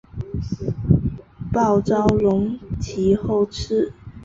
包兆龙其后亦于中国大陆各地参与多项公益项目。